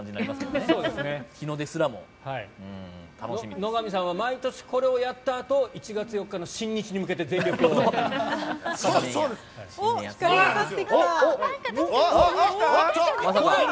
野上さんは毎年、これをやったあと１月４日の新日に向けて全力を傾ける。